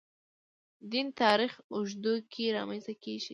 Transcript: دین تاریخ اوږدو کې رامنځته کېږي.